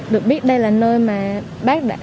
được biết đây là nơi mà bác đã